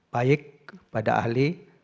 baik pada ahli